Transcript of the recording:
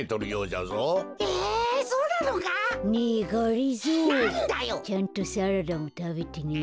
ちゃんとサラダもたべてね。